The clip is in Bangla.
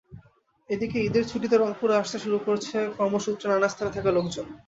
এদিকে ঈদের ছুটিতে রংপুরেও আসতে শুরু করেছে কর্মসূত্রে নানা স্থানে থাকা লোকজন।